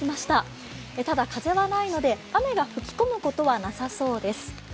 ただ、風はないので雨が吹き込むことはなさそうです。